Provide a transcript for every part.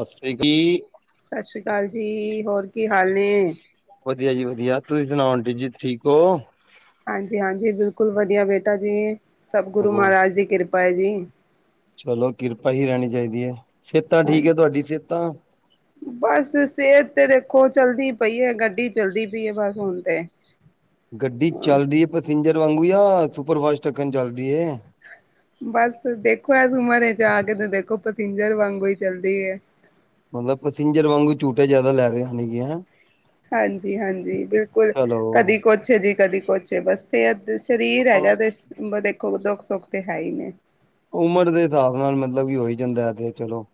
ਹਸਰੀ ਕੀ? ਸਤਿ ਸ਼੍ਰੀ ਅਕਾਲ ਜੀ, ਹੋਰ ਕੀ ਹਾਲ ਨੇ? ਵਧੀਆ ਜੀ, ਵਧੀਆ। ਤੁਸੀਂ ਸੁਣਾਓ, ਆਂਟੀ ਜੀ ਠੀਕ ਹੋ? ਹਾਂਜੀ-ਹਾਂਜੀ, ਬਿਲਕੁਲ ਵਧੀਆ ਬੇਟਾ ਜੀ। ਸਭ ਗੁਰੂ ਹੋਰ ਮਹਾਰਾਜ ਦੀ ਕਿਰਪਾ ਏ ਜੀ। ਚਲੋ ਕਿਰਪਾ ਹੀ ਰਹਿਣੀ ਚਾਹੀਦੀ ਹੈ, ਸਿਹਤਾਂ ਠੀਕ ਹਾਂਜੀ। ਹੈ, ਤੁਹਾਡੀ ਸਿਹਤਾਂ? ਬਸ, ਸਿਹਤ ਤੇ ਦੇਖੋ ਚਲਦੀ ਪਈ ਏ, ਗੱਡੀ ਚੱਲਦੀ ਪਈ ਏ, ਬਸ ਹੁਣ ਤੇ। ਗੱਡੀ ਹਾਂ, ਚੱਲਦੀ ਪਸੇਂਜਰ ਵਾਂਗੂ ਯਾ, ਸੁਪਰ ਫਾਸਟ ਅੱਕਣ ਚੱਲਦੀ ਏ? ਬਸ, ਦੇਖੋ ਇਸ ਉੱਮਰਚ ਆਕੇ ਤੇ ਦੇਖੋ, ਪਸੰਜਰ ਵਾਂਗੂ ਈ ਚੱਲਦੀ ਏ। ਮਤਲਬ ਪਸਿੰਜਰ ਵਾਂਗੂ ਝੂਟੇ ਜਿਆਦਾ ਲੈ ਰਹੇ ਨ ਗੀਆਂ। ਹਾਂਜੀ-ਹਾਂਜੀ, ਬਿਲਕੁਲ। ਚਲੋ। ਕਦੀ-ਕੁਛ ਜੀ, ਕਦੀ ਕੁਛ ਏ, ਬਸ। ਤੇ ਸਰੀਰ ਹੈਗਾ ਤੇ, ਦੇਖੋ ਦੁੱਖ-ਸੁੱਖ ਤੇ ਹੈਹੀ ਨੇ। ਉਮਰ ਦੇ ਹਿਸਾਬ ਨਾਲ ਮਤਲਬ ਕਿ ਹੋਹੀ ਜਾਂਦਾ ਹੈ, ਤੇ ਚਲੋ।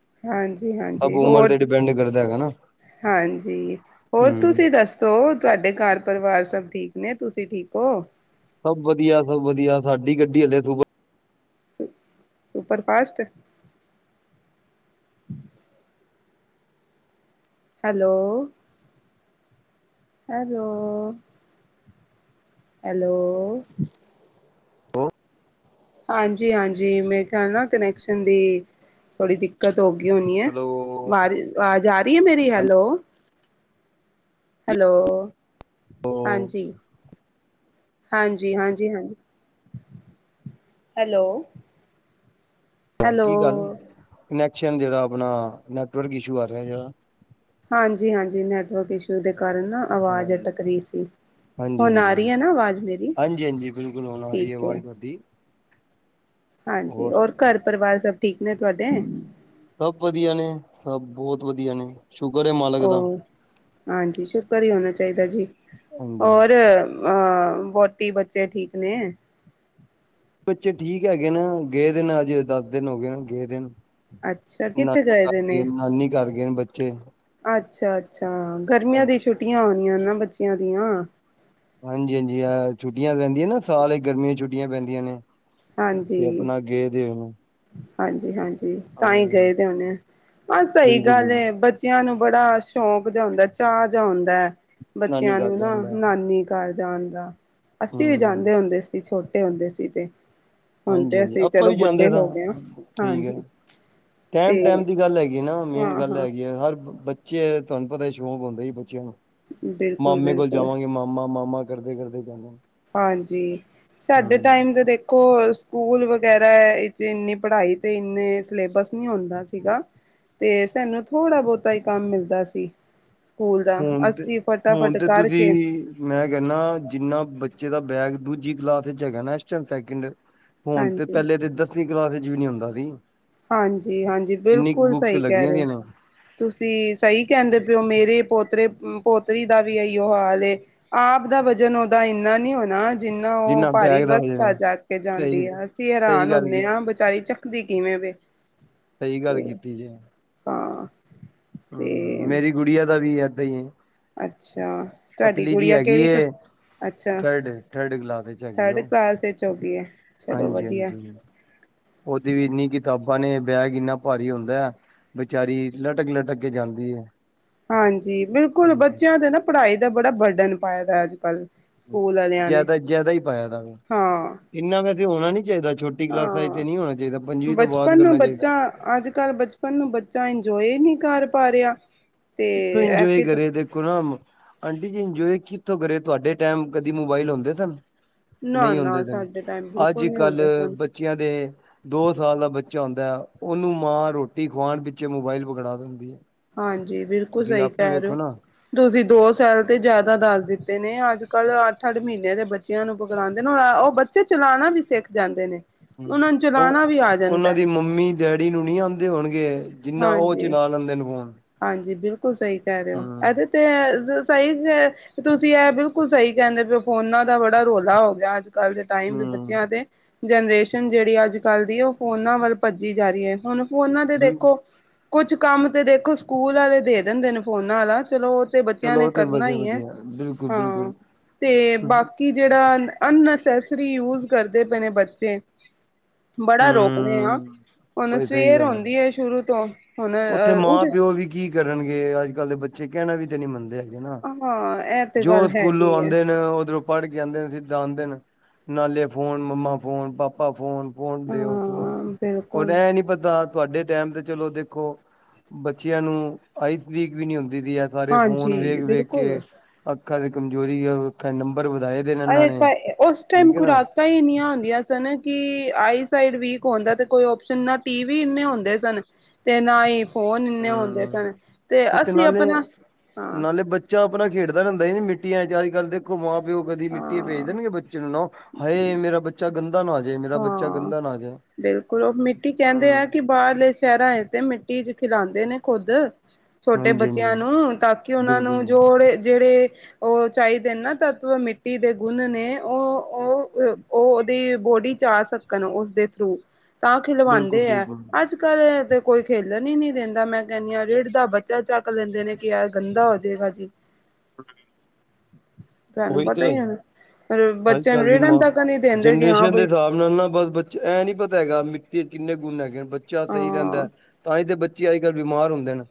ਸਭ ਹਾਂਜੀ-ਹਾਂਜੀ, ਉਮਰ ਹੋਰ, ਤੇ ਡਿਪੈਂਡ ਕਰਦਾ ਹੈਗਾ ਨਾ। ਹੂੰ ਹਾਂਜੀ। ਹੋਰ, ਤੁਸੀਂ ਦੱਸ ਤੁਹਾਡੇ ਘਰ ਪਰਿਵਾਰ ਸਭ ਠੀਕ ਨੇ ਤੁਸੀਂ ਠੀਕ ਹੋ? ਸਭ ਵਧੀਆ ਸਭ ਵਧੀਆ ਸਾਡੀ ਗੱਡੀ ਹਲੇੇ ਸੂਪਰ ਸੁੂਪਰ ਫਾਸਟ। ਹਮ। ਹੈਲੋ? ਆਹੋ। ਹੈਲੋ। ਹਾਂਜੀ ਹਾਂਜੀ ਮੈਂ ਕਿਹਾ ਨਾ ਕਨੈਕਸ਼ਨ ਦੀ ਥੋੜੀ ਦਿੱਕਤ ਦਿੱਕਤ ਹੋ ਗਈ ਹੋਣੀ ਹੈ। ਹੈਲੋ ਆਵਾਜ਼ ਆ ਰਹੀ ਹੈ ਮੇਰੀ ਹੈਲੋ? ਹਾਂਜੀ ਹੈਲੋ ਹਾਂਜੀ। ਹਾਂਜੀ ਹਾਂਜੀ ਹਾਂਜੀ ਹੈਲੋ। ਹਾਂ ਕੀ ਗੱਲ ਹੈਲੋ ਕਨੈਕਸ਼ਨ ਜਿਹੜਾ ਆਪਣਾ ਨੈਟਵਰਕ ਇਸ਼ੂ ਆ ਰਿਹਾ ਜਿਹੜਾ। ਹਾਂਜੀ ਹਾਂਜੀ ਨੈਟਵਰਕ ਇਸ਼ੂ ਦੇ ਕਾਰਨ ਨਾ ਆਵਾਜ਼ ਹਾਂਜੀ ਅਟਕ ਰਹੀ ਸੀ। ਹਾਂਜੀ ਹੁਣ ਹਾਂਜੀ ਆ ਰਹੀ ਹਾਂਜੀ ਹੈ ਨਾ ਆਵਾਜ਼ ਮੇਰੀ ਹਾਂਜੀ ਹਾਂਜੀ ਬਿਲਕੁਲ ਹੁਣ ਆ ਰਹੀ ਹੈ ਠੀਕ ਹੈ‌। ਆਵਾਜ਼ ਤੁਹਾਡੀ ਹਾਂਜੀ ਹੋਰ ਔਰ ਘਰ ਪਰਿਵਾਰ ਸਭ ਠੀਕ ਨੇ ਤੁਹਾਡੇ? ਸਭ ਵਧੀਆ ਨੇ ਸਭ ਬਹੁਤ ਵਧੀਆ ਨੇ ਸ਼ੁਕਰ ਐ ਮਾਲਕ ਦਾ। ਉਹ ਹਾਂਜੀ ਸ਼ੁਕਰ ਹੀ ਹੋਣਾ ਚਾਹੀਦਾ ਜੀ ਹਾਂਜੀ ਹੋਰ। ਅ ਵਹੁਟੀ ਬੱਚੇ ਠੀਕ ਨੇ। ਬੱਚੇ ਠੀਕ ਹੈਗੇ ਨਾ ਗਏ ਦੇ ਨ ਅਜੇ ਦੱਸ ਦਿਨ ਹੋ ਗਏ ਨੇ ਗਏ ਦੇ ਨੂੰ। ਅੱਛਾ ਕਿੱਥੇ ਗਏ ਦੇ ਨੇ ਨਾਨੀ ਘਰ ਗਏ ਨੇ ਬੱਚੇ। ਅੱਛਾ ਅੱਛਾ ਗਰਮੀਆਂ ਦੀ ਹਾਂਜੀ ਛੁੱਟੀਆਂ ਹੋਣੀਆਂ ਨਾ ਬੱਚਿਆਂ ਦੀਆਂ। ਹਾਂਜੀ ਹਾਂਜੀ ਆ ਛੁੱਟੀਆਂ ਪੈਂਦੀਆਂ ਨਾ ਸਾਲ ਗਰਮੀਆਂ ਛੁੱਟੀਆਂ ਪੈਂਦੀਆਂ ਨੇ। ਤੇ ਹਾਂਜੀ ਆਪਣਾ ਗਏ ਦੇ ਹੋਏ ਨੇ ਹਾਂਜੀ ਹਾਂਜੀ। ਹਾਂ ਤਾਂ ਹੀ ਗਏ ਤੇ ਹਣੇ ਆ ਬ ਸਹੀ ਬਿਲਕੁਲ ਗੱਲ ਬਿਲਕੁਲ ਹੈ ਬ ਬੱਚਿਆਂ ਨੂੰ ਬੜਾ ਸ਼ੌਂਕ ਜਾ ਆਂਦਾ ਚਾਹ ਜ ਆਉਂਦਾ ਹੈ ਨਾਨੀ ਬੱਚਿਆਂ ਘਰ ਨੂੰ ਨਾ ਜਾਣ ਦਾ ਨਾਨੀ ਘਰ ਜਾਣ ਦਾ ਅਸੀਂ ਵੀ ਹੂੰ ਜਾਂਦੇ ਹੁੰਦੇ ਸੀ ਛੋਟੇ ਹੁੰਦੇ ਸੀ ਤੇ ਹੁਣ ਹਾਂਜੀ ਤੇ ਹਾਂਜੀ ਅਸੀਂ ਆਪਾਂ ਵੀ ਚਲੋ ਬੁੱਢੇ ਜਾਂਦੇ ਹੋ ਗਏ ਹਾਂ ਸ ਠੀਕ ਹਾਂਜੀ ਹੈ। ਟੈਮ ਤੇ ਟਾਈਮ ਦੀ ਗੱਲ ਹੈਗੀ ਨਾ ਮੇਨ ਹਾਂ ਗੱਲ ਹਾਂ ਹੈਗੀ ਆ ਹਰ ਬ ਬੱਚੇ ਤੁਹਾਨੂੰ ਪਤਾ ਹੀ ਸ਼ੌਕ ਹੁੰਦਾ ਸੀ ਬੱਚਿਆਂ ਨੂੰ ਬਿਲਕੁਲ ਮਾਮੇ ਕੋਲ ਬਿਲਕੁਲ ਜਾਵਾਂਗੇ ਮਾਮਾ ਮਾਮਾ ਕਰਦੇ ਕਰਦੇ ਜਾਂਦੇ। ਹਾਂਜੀ ਹਮ ਸਾਡੇ ਟਾਈਮ ਦੇ ਦੇਖ ਦੇਖੋ ਸਕੂਲ ਵਗੈਰਾ ਵਿੱਚ ਇੰਨੀ ਪੜ੍ਹਾਈ ਤੇ ਇੰਨੇ ਸਿਲੇਬਸ ਨਹੀਂ ਹੁੰਦਾ ਸੀਗਾ। ਤੇ ਸਾਨੂੰ ਥੋੜ੍ਹਾ ਬਹੁਤਾ ਹੀ ਕੰਮ ਮਿਲਦਾ ਸੀ। ਸਕੂਲ ਦਾ ਹੁਣ ਤੇ ਅਸੀਂ ਹੁਣ ਫਟਾਫਟ ਤੇ ਤੁਸੀਂ ਕਰਕੇ ਮੈਂ ਕਹਿੰਦਾ ਜਿੰਨਾ ਬੱਚੇ ਦਾ ਬੈਗ ਦੂਜੀ ਕਲਾਸ ਚ ਹੈਗਾ ਨਾ ਇਸ ਟਾਈਮ ਸੈਕਿੰਡ ਹੁਣ ਤੇ ਹਾਂਜੀ ਪਹਿਲੇ ਤੇ ਦਸਵੀਂ ਕਲਾਸ ਚ ਵੀ ਨਹੀਂ ਹੁੰਦਾ ਸੀ। ਹਾਂਜੀ ਹਾਂਜੀ ਇੰਨੀ ਕੁ ਬਿਲਕੁਲ ਬੁੱਕਸ ਸਹੀ ਕਹਿ ਲੱਗੀਆਂ ਰਹੇ ਦੀਆਂ ਹੋ। ਨੇ ਤੁਸੀਂ ਸਹੀ ਕਹਿੰਦੇ ਪੇ ਓ ਮੇਰੇ ਪੋਤਰੇ ਪੋਤਰੀ ਦਾ ਵੀ ਇਹੀਓ ਹਾਲ ਹੈ। ਆਪ ਦਾ ਵਜ਼ਨ ਓਹਦਾ ਇੰਨਾ ਨੀ ਹੋਣਾ ਜਿੰਨਾ ਉਹ ਭਾਰੀ ਬੈਗ ਦਾ ਵਜਨ ਬੱਸਤਾ ਹੈ ਚੱਕੇ ਕੇ ਜਾਂਦੀ ਸਹੀ ਆ ਅਸੀਂ ਸਹੀ ਹੈਰਾਨ ਗੱਲ ਕੀ ਹੁੰਦੇ ਹਾਂ ਵਿਚਾਰੀ ਚ ਦੀ ਕਿਵੇਂ ਵੇ। ਸਹੀ ਗੱਲ ਤੇ ਕੀਤੀ ਜੇ। ਹਾਂ। ਤੇ ਹਮ ਮੇਰੀ ਗੁੜੀਆਂ ਦਾ ਵੀ ਏਦਾਂ ਹੀ ਹੈ। ਅੱਛਾ ਤੁਹਾਡੀ ਪਤਲੀ ਜੀ ਗੁੜੀਆ ਹੈਗੀ ਕਿਹੜੀ ਏ ਅੱਛਾ ਥਰਡ ਥਰਡ ਕਲਾਸ ਵਿੱਚ ਹੈਗੀ ਥਰਡ ਉਹ ਕਲਾਸ ਵਿੱਚ ਹੋਗੀ ਹੈ। ਚਲੋ ਹਾਂਜੀ ਵਧੀਆ ਹਾਂਜੀ ਉਹਦੀ ਵੀ ਇੰਨੀ ਕਿਤਾਬਾਂ ਨੇ ਬੈਗ ਇੰਨਾ ਭਾਰੀ ਹੁੰਦਾ ਹੈ। ਬੇਚਾਰੀ ਲਟਕ ਲਟਕ ਕੇ ਜਾਂਦੀ ਹੈ। ਹਾਂਜੀ ਬਿਲਕੁਲ ਬੱਚਿਆਂ ਦੇ ਨਾ ਪੜ੍ਹਾਈ ਦਾ ਬੜਾ ਬਰਡਨ ਪਾਇ ਦਾ ਅੱਜ ਕੱਲ੍ਹ ਜਿਆਦਾ ਜਿਆਦਾ ਹੀ ਪਾਇਆ ਤਾ ਹਾਂ ਇੰਨਾ ਵੈਸੇ ਹੋਣਾ ਨੀ ਚਾਹੀਦਾ ਛੋਟਾ ਕਲਾਸਾਂ ਹਾਂ ਇੱਥੇ ਨਹੀਂ ਹੋਣਾ ਚਾਹੀਦਾ ਪੰਜਵੀਂ ਤੋਂ ਬਾਅਦ ਬਚਪਨ ਨੂੰ ਕਰਨਾ ਬੱਚਾ ਚਾਹੀਦਾ। ਅੱਜ ਕੱਲ੍ਹ ਬਚਪਨ ਨੂੰ ਬੱਚਾ ਇੰਜੋਏ ਨਹੀਂ ਕਰ ਪਾ ਰਿਹਾ। ਤੇ ਕਿੋਂ ਇਹ ਇੰਜੋਏ ਕਿ ਕਰੇ ਦੇਖੋ ਨਾ ਆਂਟੀ ਜੀ ਇੰਜੋਏ ਕਿੱਥੋਂ ਕਰੇ ਤੁਹਾਡੇ ਟਾਈਮ ਕਦੀ ਮੋਬਾਈਲ ਹੁੰਦੇ ਸਨ। ਨਾ ਨਹੀਂ ਨਾ ਹੁੰਂਦੇ ਦਿਨ ਸਾਡੇ ਟਾਈਮ ਬਿਲਕੁਲ ਅੱਜ ਨੀ ਹੁੰਦਾ ਕੱਲ੍ਹ ਸਨ ਬੱਚਿਆਂ ਦੇ ਦੋ ਸਾਲ ਦਾ ਬੱਚਾਹੁੰਂਦਾ ਹੈ ਉਹਨੂੰ ਮਾਂ ਰੋਟੀ ਖਵਾਉਣ ਪਿਛੇ ਮੋਬਾਇਲ ਪਕੜਾ ਦਿੰਦੀ ਹੈ। ਹਾਂਜੀ ਬਿਲਕੁਲ ਤੁਸੀਂ ਸਹੀ ਆਪੇ ਕਹਿ ਰਹੇ ਹੋ। ਵੇਖੋ ਨਾ ਤੁਸੀਂ ਦੋ ਸੈਾਲ ਤੇ ਜ਼ਿਆਦਾ ਦੱਸ ਦਿੱਤੇ ਨੇ ਅੱਜ ਕੱਲ੍ਹ ਅੱਠ ਅੱਠ ਮਹੀਨਿਆਂ ਦੇ ਬੱਚਿਆਂ ਨੂੰ ਪਕੜਾਂਦੇ ਨੇ ਉਹ ਬ ਬੱਚੇ ਚਲਾਉਣਾ ਵੀ ਸਿੱਖ ਜਾਂਦੇ ਨੇ ਹੂੰ, ਉਹਨਾਂ ਨੂੰ ਉਹ ਚਲਾਉਣਾ ਵੀ ਆ ਉਹਨਾਂ ਜਾਂਦਾ ਦੀ ਮੰਮੀ ਡੈਡੀ ਨੂੰ ਨਹੀਂ ਆਉਂਦੇ ਹੋਣਗੇ ਜਿੰਨਾ ਉਹ ਹਾਂਜੀ ਚਲਾ ਲੈਂਦੇ ਨੇ ਫੋਨ ਹਾਂਜੀ ਬਿਲਕੁਲ ਸਹੀ ਕਹਿ ਰਹੇ ਹੋ ਹਮ ਇਹਦੇ ਤੇ ਸਹੀ ਹੈ ਤੁਸੀਂ ਇਹ ਬਿਲਕੁਲ ਸਹੀ ਕਹਿੰਦੇ ਪ ਫੋਨਾ ਦਾ ਬੜਾ ਰੌਲਾ ਹੋ ਗਿਆ ਅੱਜ ਕੱਲ੍ਹ ਟਾਈਮ ਦੇ ਹਮ ਬੱਚਿਆਂ ਅਤੇ ਜਨਰੇਸ਼ਨ ਜਿਹੜੀ ਅੱਜ ਕੱਲ੍ਹ ਦੀ ਉਹ ਫੋਨਾਂ ਵੱਲ ਭੱਜੀ ਜਾ ਰਹੀ ਹੈ ਹੁਣ ਉਹਨਾਂ ਤੇ ਬਿਲਕੁਲ ਦੇਖੋ ਕੁਛ ਕੰਮ ਤੇ ਦੇਖੋ ਸਕੂਲ ਵਾਲੇ ਦੇ ਦਿੰਦੇ ਨੇ ਫੋਨਾਂ ਵਾਲਾ ਚਲੋ ਤੇ ਬੱਚਿਆਂ ਚਲੋ ਨੇ ਉਹ ਤੇ ਕਰਨਾ ਵਧੀਆ ਹੀ ਹੈ ਵਧੀਆ ਬਿਲਕੁਲ ਹਾਂ ਬਿਲਕੁਲ ਤੇ ਬਾਕੀ ਜਿਹੜਾ ਅਨਨਸੈਸਰੀ ਯੂਜ ਕਰਦੇ ਪਏ ਨੇ ਬੱਚੇ ਬੜਾ ਰੋਕਦੇ ਆ ਹਮ ਹੁਣ ਬਈ ਸਹੀ ਸਵੇਰ ਗੱਲ ਆਉਂਦੀ ਹੈ ਸ਼ੁਰੂ ਤੋਂ ਹੁਣ ਉੱਥੇ ਅਹ ਉੱਠ ਮਾਂ ਪਿਓ ਵੀ ਕੀ ਕਰਨਗੇ ਅੱਜ ਕੱਲ੍ਹ ਦੇ ਬੱਚੇ ਕਹਿਣਾ ਵੀ ਤੇ ਨਹੀਂ ਮੰਨਦੇ ਹੈਗੇ। ਨਾ ਹਾਂ ਇਹ ਤੇ ਜੋ ਗੱਲ ਸਕੂਲੋਂ ਹੈਗੀ ਹੈ ਆਉਂਦੇ ਨੇ ਉਧਰੋਂ ਪੜ ਕੇ ਆਉਂ ਦੇ ਨੇ ਨਾਲੇ phone mumma phone papa phone phone ਦਿਓ ਥ ਹਾਂ ਉਹਨੇ ਬਿਲਕੁਲ ਐ ਨੀ ਪਤਾ ਤੁਆਡੇ ਟੈਮ ਤੇ ਚਲੋ ਦੇਖੋ ਬੱਚਿਆਂ ਨੂੰ ਆਈਸ ਵੀਕ ਵੀ ਨੀ ਹੁੰਦੀ ਥੀ ਫੋਨ ਹਾਂਜੀ ਵੇਖ ਵੇਖ ਬਿਲਕੁਲ ਕੇ ਅੱਖਾਂ ਦੀ ਕਮਜ਼ੋਰੀ, ਅੱਖਾਂ ਨੰਬਰ ਵਧਾਏ ਦੇ ਨੇ ਇਹਨਾਂ ਅ ਨੇ ਤਾਂ ਉਸ ਟਾਈਮ ਠੀਕ ਹੈ ਨਾ। ਖੁਰਾਕਾਂ ਈ ਇੰਨੀਆਂ ਹੁੰਦੀਆਂ ਸਨ ਕਿ ਆਈ ਸਾਈਡ ਵੀਕ ਹੁੰਦਾ ਤੇ ਕੋਈ ਓਪਸ਼ਨ ਨਾ ਟੀ ਵੀ ਏਨੇ ਹੁੰਦੇ ਸਨ ਤੇ ਨਾ ਈ ਫੋਨ ਏਨੇ ਹੁੰਦੇ ਸਨ ਹਮ। ਤੇ ਉਤੇ ਅਸੀਂ ਨਾਲੇ ਆਪਣਾ ਹਾਂ। ਨਾਲੇ ਬੱਚਾ ਆਪਣਾ ਖੇਡਦਾ ਰਹਿੰਦਾ ਸੀ ਮਿੱਟੀਆਂ 'ਚ। ਅੱਜ ਕੱਲ ਦੇਖੋ ਮਾਂ ਪਿਓ ਕਦੀ ਮਿੱਟੀ 'ਚ ਭੇਜ ਹਾਂ ਦੇਣਗੇ ਬੱਚੇ ਨੂੰ ਨਾ। ਹਾਏ ਮੇਰਾ ਬੱਚਾ ਗੰਦਾ ਨਾ ਓ ਜੇ -ਮੇਰਾ ਬੱਚਾ ਹਾਂ ਗੰਦਾ ਨਾ ਓ ਜੇ ਹਾਂ ਬਾਰਲੇ ਸ਼ੈਰਾਂ ਵਿਚ ਤੇ ਮਿੱਟੀ ਚ ਖਿਲਾਂਦੇ ਨੇ ਖੁੱਦ। ਛੋਟੇ ਹਾਂਜੀ ਬੱਚਿਆਂ ਹਾਂਜੀ ਨੂੰ ਤਾਂ ਕਿ ਓਨਾਂ ਬਿਲਕੁਲ ਨੂੰ ਜੋੜੇ ਜੇੜੇ ਓ ਚਾਈਦੇ ਨੇ ਨਾ ਤੱਤਵ ਮਿੱਟੀ ਦੇ ਗੁਣ ਨੇ। ਓ ਓਦੀ ਬੋਡੀ ਜਾ ਸਕਣ ਉਸਦੇ ਥਰੂ ਤਾਂ ਬਿਲਕੁਲ ਖਿਲਵਾਉਂਦੇ ਹੈ ਬਿਲਕੁਲ ਅੱਜ ਕੱਲ ਕੋਈ ਖੇਲਣ ਹੀ ਨਹੀਂ ਦਿੰਦਾ ਮੈਂ ਕਹਿੰਦੀ ਹਾਂ ਰੇੜ ਦਾ ਬੱਚਾ ਚੱਕ ਲੈਂਦੇ ਨੇ ਕਿ ਯਾਰ ਗੰਦਾ ਹੋਜੇਗਾ ਜੀ। ਅ ਤੁਹਾਨੂੰ ਉਹੀ ਪਤਾ ਤੇ ਹੀ ਹੈ ਨਾ ਅੱਜ ਬੱਚਿਆਂ ਨੂੰ ਕੱਲ ਦੀ ਰਿੜਨ ਮਾਂ ਤੱਕ ਨਹੀਂ ਦਿੰਦੇ ਕਿ ਹਾਂ ਜਨਰੇਸ਼ਨ ਦੇ ਬਈ ਹੁਣਨਾ ਬਸ ਬੱਚਾ ਐਂ ਨੀ ਪਤਾ ਹੈਗਾ ਮਿੱਟੀ ਚ ਕਿੰਨੇ ਗੁਨ ਹੈਗੇ ਬੱਚਾ ਸਹੀ ਹਾਂ ਰਹਿੰਦਾ। ਦੇ ਬੱਚੇ ਅੱਜ ਕੱਲ੍ਹ ਬਿਮਾਰ ਹੁੰਦੇ ਨੇ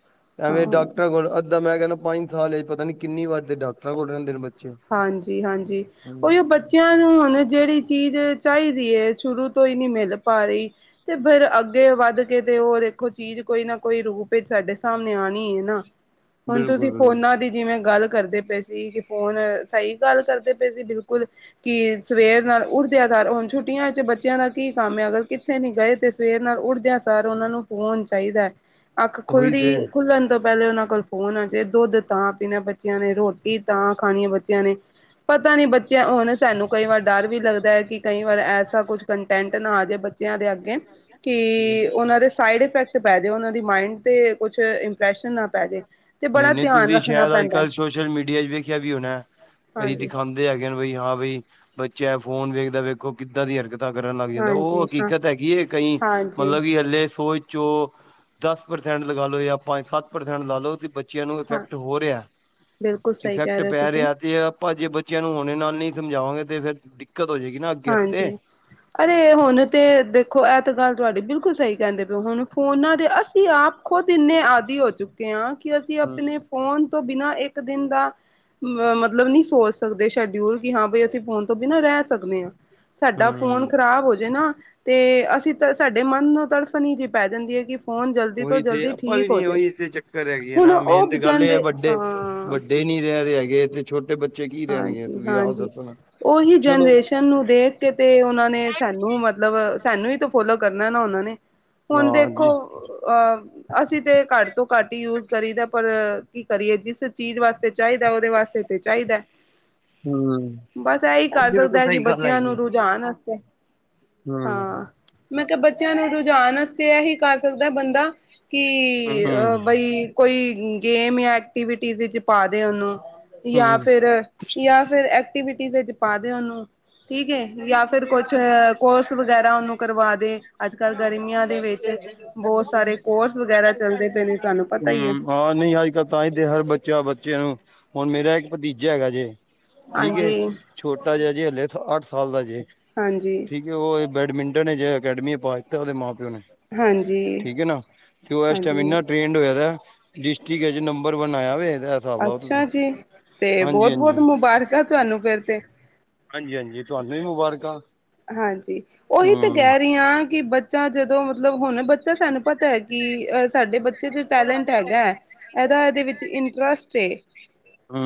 ਐਵੇਂ ਹਾਂ ਡਾਕਟਰਾਂ ਕੋਲ ਅੱਧਾਂ ਮੈਂ ਕਹਿਿੰਦਾ ਪੰਜ ਸਾਲੇ ਜ ਪਤਾ ਨੀ ਕਿੰਨੀ ਵਾਰ ਦੇ ਡਾਕਟਰਾਂ ਕੋਲ ਰਹਿੰਦੇ ਨੇ ਬੱਚੇ ਹਾਂਜੀ ਹਾਂਜੀ ਹੂੰ, ਉਹਹੀ ਉਹ ਬੱਚਿਆਂ ਨੂੰ ਹੁਣ ਜਿਹੜੀ ਚੀਜ਼ ਚਾਹੀਦੀ ਹੈ ਸ਼ੁਰੂ ਤੋਂ ਹੀ ਨਹੀਂ ਮਿਲ ਪਾ ਰੀ ਤੇ ਫਿਰ ਅੱਗੇ ਵੱਧ ਕੇ ਤੇ ਉਹ ਦੇਖੋ ਚੀਜ਼ ਕੋਈ ਨਾ ਕੋਈ ਰੂਪ ਵਿੱਚ ਸਾਡੇ ਸਾਹਮਣੇ ਆਉਣੀ ਹੈ ਨਾ ਹੁਣ ਤੁਸੀਂ ਬਿਲਕੁਲ ਬਿਲਕੁਲ ਫੋਨਾਂ ਦੀ ਜਿਵੇਂ ਗੱਲ ਕਰਦੇ ਪਏ ਸੀ ਕਿ ਫੋਨ ਸਹੀ ਗੱਲ ਕਰਦੇ ਪਏ ਸੀ ਬਿਲਕੁਲ। ਕਿ ਸਵੇਰ ਨਾਲ ਉੱਠਦਿਆਂ ਸਾਰ ਹੁਣ ਛੁੱਟੀਆਂ ਚ ਬੱਚਿਆਂ ਦਾ ਕੀ ਕੰਮ ਆ ਅਗਰ ਗਏ ਤੇ ਸਵੇਰ ਨਾਲ ਉੱਠਦਿਆਂ ਸਾਰ ਓਨਾਂ ਨੂੰ ਫੋਨ ਚਾਈਦਾ। ਅੱਖ ਉਹੀ ਖੁੱਲਦੀ ਤੇ ਖੁੱਲਣ ਤੋਂ ਪੈਲੇ ਓਨਾਂ ਕੋਲ ਹੋਨਾ ਚਾਈਦਾ ਦੁੱਧ ਤਾਂ ਪੀਣਾ ਬੱਚਿਆਂ ਨੇ ਰੋਟੀ ਤਾਂ ਖਾਣੀ ਏ ਬਚ ਨੇ ਪਤਾ ਨੀ ਬੱਚਿਆਂ ਉਣ ਸਾਨੂੰ ਕਈ ਵਾਰ ਡਰ ਵੀ ਲੱਗਦਾ ਐ ਕੀ ਕਈ ਵਾਰ ਐਸਾ ਕੁਛ ਕੰਟੈਂਟ ਨਾ ਆ ਜੇ ਬੱਚਿਆਂ ਦੇ ਅੱਗੇ ਕਿ ਓਨਾਂ ਦੇ ਸਾਈਡ ਇਫੈਕਟ ਪੈ ਜੇ ਓਨਾਂ ਦੀ ਮਾਇੰਡ ਤੇ ਕੁਛ ਇੰਪ੍ਰੈਸ਼ਨ ਨਾ ਪੈ ਜੇ ਤੇ ਨਹੀਂ ਬੜਾ ਨਹੀਂ ਧਿਆਨ ਤੁਸੀਂ ਰੱਖਣਾ ਸ਼ਾਇਦ ਅੱਜ ਪੈਂਦਾ। ਕੱਲ੍ਹ ਸੋਸ਼ਲ ਮੀਡੀਆ ਚ ਵੇਖਿਆ ਵੀ ਓਨਾ ਕਈ ਹਾਂਜੀ ਦਿਖਾਦ- ਦੇ ਨੇ ਹੈਗੇ ਬਈ ਹਾਂ ਬਈ ਬੱਚਾ ਐ ਫੋਨ ਵੇਖਦਾ ਵੇਖੋ ਕਿੱਦਾਂ ਦੀ ਹਰਕਤ- ਕਰਨ ਲੱਗ ਜਾਂਦੇ, ਓ ਹਾਂਜੀ ਹਾਂ ਹਕੀਕਤ ਹੈਗੀ ਐ ਕਈ ਹਾਂਜੀ ਮਤਲਬ ਕਿ ਹੱਲੇ ਸੋਚ ਚੋ ਦਸ ਪ੍ਰਸੈਂਟ ਲਗਾਲੋ ਜਾਂ ਪੰਜ, ਸੱਤ ਪ੍ਰਸੈਂਟ ਲਾ ਲੋ ਤੇ ਬੇ ਬੱਚੇ ਆ ਨੂੰ ਹਾਂ ਇਫੈਕਟ ਹੋ ਰਿਆ। ਬਿਲਕੁਲ ਸਹੀ ਕਹਿ ਇਫੈਕਟ ਰਹੇ ਹੋ ਪੈ ਤੁਸੀਂ ਰਿਆ ਤੇ ਆਪਾਂ ਜੇ ਬਚ- ਬੱਚਿਆਂ ਨੂੰ ਹੁਣੇ ਨਾਲ ਨੀ ਸਮਝਾਵਾਂਗੇ ਤੇ ਫੇਰ ਦਿੱਕਤ ਹੋ ਜਾਏਗੀ ਨਾ। ਅੱਗੇ ਆਸਤੇ। ਹਾਂਜੀ। ਅਰੇ ਹੁਣ ਤਾਂ ਦੇਖੋ ਐ ਤੇ ਗੱਲ ਤੁਆਡੀ ਬਿਲਕੁਲ ਸਈ ਕੇਂਦੇ ਪਏ ਓ। ਹੁਣ ਫੋਨਾਂ ਦੇ ਅਸੀਂ ਆਪ ਖੁਦ ਇੰਨੇ ਆਦਿ ਹੋ ਚੁੱਕੇ ਆ ਕੀ ਅਸੀਂ ਹੂੰ ਆਪਣੇ ਫੋਨ ਤੋਂ ਬਿਨਾਂ ਇੱਕ ਦਿਨ ਦਾ- ਅ ਮਤਲਬ ਨਹੀਂ ਸੋਚ ਸਕਦੇ ਸ਼ਡਿਊਲ ਕੀ ਹਾਂ ਬਈ ਅਸੀਂ ਫੋਨ ਤੋਂ ਬਿਨਾਂ ਰੈ ਸਕਦੇ ਆਂ। ਸਾਡਾ ਫੋਨ ਹੂੰ ਖ਼ਰਾਬ ਹੋ ਜੇ ਨਾ- ਤੇ ਅਸੀਂ ਤਾਂ ਸਾਡੇ ਮਨ ਨੂੰ ਤੜਫਨੀ ਜੀ ਪੈ ਜਾਂਦੀ ਐ ਕਿ- ਫੋਨ ਜਲਦੀ ਤੋਂ ਓਹੀ ਤੇ ਜਲਦੀ ਆਪਾਂ ਵੀ ਠੀਕ ਹੋ ਨੀ ਜੇ ਓਹੀ ਤੇ ਚੱਕਰ ਹੈਗੀ ਆ ਹੁਣ ਨਾ ਮੇਨ ਉਹ ਤੇ ਗੱਲ ਜਨ ਏ ਆ, ਵੱਡੇ ਹਾਂ ਵੱ- ਡੇ ਨੀ ਰੈ ਰੇ ਹੈਗੇ ਏਥੇ, ਛੋਟੇ ਬੱਚੇ ਕੀ ਰਹਿਣਗੇ ਹਾਂਜੀ ਤੁਸੀਂ ਆਪ ਹਾਂਜੀ ਦੱਸੋ। ਉਹੀ ਚਲੋ- ਜਨਰੇਸ਼ਨ ਨੂੰ ਦੇਖ ਕੇ ਤੇ ਓਨਾਂ ਨੇ ਸਾਨੂੰ ਮਤਲਬ ਸਾਨੂੰ ਈ ਤੇ ਫੋਲੋ ਕਰਨਾ ਨਾ ਓਨਾਂ ਨੇ। ਹੁਣ ਦੇਖੋ ਹਾਂਜੀ ਅਹ ਅਸੀਂ ਤੇ ਘੱਟ ਤੋਂ ਘੱਟ ਈ ਯੂਜ ਕਰੀ ਦਾ। ਪਰ ਕੀ ਕਰੀਏ ਜਿਸ ਚੀਜ਼ ਵਾਸਤੇ ਚਾਈਦਾ ਓਦੇ ਵਾਸਤੇ- ਤੇ ਚਾਈਦਾ। ਹੂੰ ਅ ਬਸ ਐਈ ਕਰ ਸਕਦਾ ਐ ਕੀ ਬੱਚਿਆਂ ਨੂੰ ਰੁਝਾਨ ਅਸਤੇ। ਹੂੰ ਹਾਂ, ਮੈਂ ਕਿਆ ਬੱਚਿਆਂ ਨੂੰ ਰੁਝਾਨ ਅਸ ਤੇ ਏਹੀ ਕਰ ਸਕਦਾ ਬੰਦਾ ਕਿ ਹੂੰ ਅ ਹੂੰ ਬਈ ਕੋਈ ਗੇਮ ਯਾਂ ਐਕਟੀਵਿਟੀਜ਼ ਵਿੱਚ ਪਾਦੇ ਉਹਨੂੰ ਯਾਂ ਹੂੰ ਫਿਰ ਯਾਂ ਫਿਰ ਐਕਟੀਵਿਟੀ ਵਿੱਚ ਪਾਦੇ ਉਹਨੂੰ ਠੀਕ ਏ, ਯਾਂ ਫਿਰ ਕੁਛ ਕੋਰਸ ਵ ਵਗੈਰਾ ਉਹਨੂੰ ਕਰਵਾ ਦੇ ਅੱਜ -ਕੱਲ੍ਹ ਗਰਮੀਆਂ ਦੇ ਵਿੱਚ, ਬਹੁਤ ਸਾਰੇ ਕੋਰਸ ਵਗੈਰਾ ਚੱਲਦੇ ਪਏ ਨੇ ਤਾਨੂੰ ਹਮ, ਹਾਂ ਨਹੀਂ ਅੱਜ ਕੱਲ ਤਾਂਹੀ ਤੇ ਹਰ ਬੱਚਾ ਬੱਚਿਆਂ ਨੂੰ, ਹੁਣ ਮੇਰਾ ਇੱਕ ਭਤੀਜਾ ਹੈਗਾ ਜੇ, ਠੀਕ ਏ। ਹਾਂਜੀ ਛੋਟਾ ਜਿਹਾ ਜੇ ਹਲੇ, ਅੱਠ ਸਾਲ ਦਾ ਜੇ। ਹਾਂਜੀ। ਠੀਕ ਐ, ਉਹ ਬੈਡਮਿੰਟਨ ਜਿ ਅਕੈਡਮੀ ਓਦੇ ਮਾਂ ਪਿਓ ਨੇ, ਹਾਂਜੀ ਠੀਕ ਏ ਨਾ ਤੇ ਓ ਏਸ ਟੈਮ ਹਾਂਜੀ ਇਨਾ ਟ੍ਰੇਡ ਹੋਇਆ ਦਾ। ਡਿਸਟ੍ਰਿਕ'ਚ ਨੰਬਰ ਵਨ ਆਇਆ ਵੇ। ਹਿਸਾਬ ਲਾਓ ਅੱਛਾ ਤੁਸੀਂ ਜੀ ਤੇ ਹਾਂਜੀ ਬੋਤ-ਬੋਤ ਹਾਂਜੀ ਮੁਬਾਰਕ ਤੁਆਨੂੰ ਫੇਰ ਤੇ। ਹਾਂਜੀ -ਹਾਂਜੀ, ਤੁਆਨੂੰ ਵੀ ਮੁਬਾਰਕਾਂ। ਹਾਂਜੀ, ਓਈ ਤੇ ਹਮ ਕੈ ਰੀ ਆਂ ਕੀ ਬੱਚਾ ਜਦੋਂ ਮਤਲਬ ਹੁਣ ਬੱਚਾ ਸਾਨੂੰ ਪਤਾ- ਐ ਕੀ ਅਹ ਸਾਡੇ ਬੱਚੇ- ਬੱਚੇ ਚ ਟੈਲੈਂਟ ਹੈਗਾ, ਏਦਾ ਏਦੇ ਵਿੱਚ ਇੰਟਰਸਟ ਏ।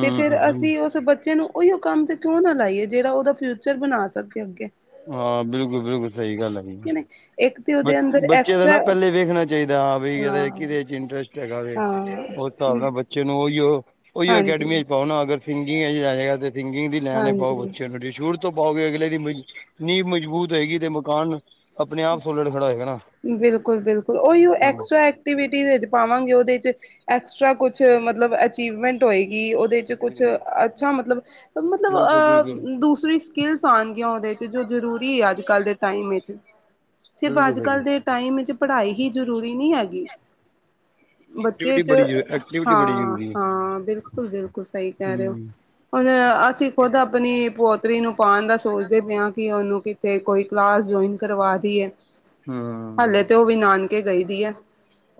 ਤੇ ਫਿਰ ਅਸੀਂ ਓਸ ਬੱਚੇ ਨੂੰ- ਓਈਓ ਕੰਮ ਤੇ ਕਿਉਂ ਨਾ ਲਾਈਏ ਜੇੜਾ ਓਦਾ ਫਿਊਚਰ ਬਣਾ ਸਕੇ ਅੱਗੇ। ਹਾਂ, ਬਿਲਕੁਲ-ਬਿਲਕੁਲ, ਸਈ ਗੱਲ ਐ ਬਈ। [inaudible] ਉਹਦੇ ਬਚ ਅੰਦਰ ਬੱਚੇਆ ਦਾ ਨਾ ਐਕਸਟਰਾ ਪਹਿਲੇ ਵੇਖਣਾ ਚਾਹੀਦਾ, ਹਾਂ ਬਈ ਇਹਦਾ ਹਾਂ ਕਿਦੇ ਚ ਇੰਟਰਸਟ ਹੈਗਾ ਵੇ ਹਾਂ ਹਿਸਾਬ ਨਾਲ ਬੱਚੇ ਨੂੰ ਉਹੀਓ, ਉਹੀਓ ਅਕੈਡਮੀ ਹਾਂਜੀ ਚ ਪਾਉ ਨਾ ਅਗਰ ਸਿੰਗਿੰਗ ਚ ਜਾਏਗਾ ਤੇ ਸਿੰਗਿੰਗ ਦੀ ਲੈਣੇ ਪਾਓ ਹਾਂਜੀ ਬੱਚਿਆਂ ਨੂੰ ਸ਼ੁਰੂ ਤੋਂ ਤੋਂ ਪਾਓਗੇ ਅਗਲੇ ਦੀ, ਨੀਂਹ ਮਜ਼ਬੂਤ ਹੋਏਗੀ ਤੇ ਮਕਾਨ, ਆਪਣੇ ਆਪ ਥੋਲੜ ਖੜਾ ਹੋਏਗਾ ਨਾ। ਬਿਲਕੁਲ-ਬਿਲਕੁਲ, ਓਈ ਓ ਐਕਸਟਰਾ ਐਕ ਐਕਟਿਵੀਟਜ ਚ ਪਾਵਾਂਗੇ ਉਹਦੇ ਚ ਐਕਸਟਰਾ ਕੁਛ ਮਤਲਬ ਅਚੀਵਮੈਂਟ ਹੋਏਗੀ ਓਦੇ ਚ ਕੁਛ ਹੂੰ ਅੱਛਾ ਮਤਲਬ, ਮਤਲਬ ਬਿਲਕੁਲ ਬਿਲਕੁਲ ਅ ਦੂਸਰੀ ਸਕਿਲਸ ਆਨਗੀਆਂ ਉਦੇ ਚ ਜੋ ਜ਼ਰੂਰੀ ਐ ਅੱਜ ਕੱਲ੍ਹ ਦੇ ਟਾਈਮ ਵਿੱਚ, ਸਿਰਫ ਬਿਲਕੁਲ ਅੱਜ ਸਹੀ ਕੱਲ੍ਹ ਟਾਈਮ ਚ ਪੜ੍ਹਾਈ ਹੀ ਜ਼ਰੂਰੀ ਨੀ ਹੈਗੀ। ਬੱਚੇ ਐਕਟੀਵਿਟੀ ਚ ਬੜੀ ਜ਼ਰੂ ਐਕਟੀਵਿਟੀ ਬੜੀ ਹਾਂ ਜ਼ਰੂਰੀ ਹੈ। ਹਾਂ ਬਿਲਕੁਲ ਬਿਲਕੁਲ ਸਹੀ ਕਹਿ ਰਏ ਓ ਹੂੰ ਹੁਣ ਅਸੀਂ ਖੁਦ ਆਪਨੀ ਪੋਤਰੀ ਨੂੰ ਪਾਨ ਦਾ ਸੋਚਦੇ ਪਏ ਆਂ ਕਿ ਉਹਨੂੰ ਕੀ ਤੇ ਕੋਈ ਕਲਾਸ ਜੌਇਨ ਕਰਵਾ ਦੀ ਏ। ਹੂੰ ਹੂੰ ਹਲੇ ਤੇ ਓ ਵੀ ਨਾਨਕੇ ਗਈ ਦੀ ਐ।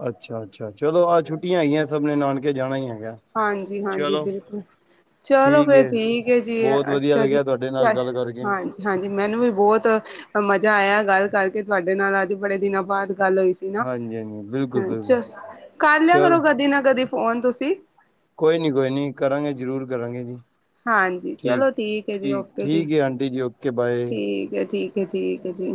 ਅੱਛਾ ਅੱਛਾ ਚਲੋ, ਆਹ ਛੁੱਟੀਆਂ ਹੈਗੀਆਂ ਸਭ ਨੇ ਨਾਨਕੇ ਜਾਣਾ ਈ ਹੈਗਾ। ਹਾਂਜੀ ਹਾਂਜੀ, ਚਲੋ ਬਿਲਕੁਲ। ਚਲੋ ਠੀਕ ਫਿਰ ਹੈ ਠੀਕ ਏ ਜੀ, ਬਹੁਤ ਵਧੀਆ ਅੱਛਾ ਜੀ ਲੱਗਿਆ ਤੁਹਾਡੇ ਚ ਨਾਲ ਗੱਲ ਕਰਕੇ। ਹਾਂਜੀ। ਹਾਂਜੀ ਮੈਨੂੰ ਵੀ ਬਹੁਤ ਮਜ਼ਾ ਆਇਆ ਗੱਲ ਕਰਕੇ ਤੁਆਡੇ ਨਾਲ ਅੱਜ ਬੜੇ ਦਿਨਾਂ ਬਾਅਦ ਗੱਲ ਹੋਈ। ਹਾਂਜੀ ਹਾਂਜੀ ਬਿਲਕੁਲ ਬਿਲਕੁਲ [unintelligible] ਕਰ ਲਿਆ ਕਰੋ ਚਲੋ ਕਦੀ ਨਾ ਕਦੀ ਫੋਨ ਤੁਸੀ। ਕੋਈ ਨੀ ਕੋਈ ਨੀ ਕਰਾਂਗੇ, ਜ਼ਰੂਰ ਕਰਾਂਗੇ ਜੀ। ਹਾਂਜੀ ਚਲੋ ਠੀਕ ਐ ਜੀ ਓਕੇ ਜੀ ਠੀਕ ਹੈ ਆਂਟੀ ਜੀ ਓਕੇ ਬਾਏ। ਠੀਕ ਐ ਠੀਕ। ਓ ਠੀਕ ਐ ਜੀ।